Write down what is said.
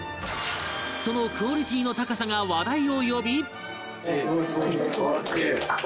そのクオリティーの高さが話題を呼び